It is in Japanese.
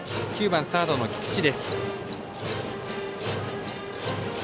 ９番サードの菊池。